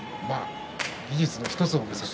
技術の１つを見せた。